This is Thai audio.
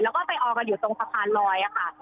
แล้วก็ไปออกันอยู่ตรงสะพานลอยค่ะ